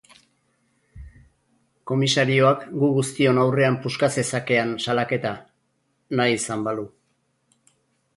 Komisarioak gu guztion aurrean puska zezakean salaketa, nahi izan balu.